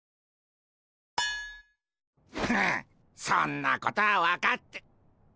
はっそんなことは分かって。